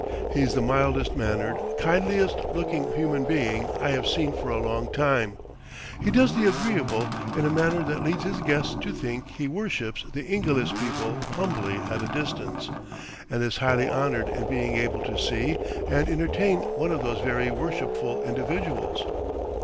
He is the mildest mannered, kindliest looking human being I have seen for a long time; he does the agreeable in a manner that leads his guests to think he worships the "Ingilis" people humbly at a distance, and is highly honored in being able to see and entertain one of those very worshipful individuals.